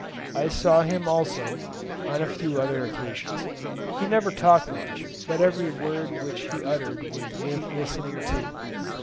I saw him, also, on a few other occasions. He never talked much, but every word which he uttered was worth listening to.